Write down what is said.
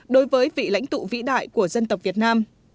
đối với vị lãnh tụ vĩ đại của dân tộc việt nam